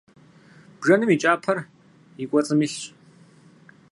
Бжэным и кӀапэр и кӀуэцӀым илъщ.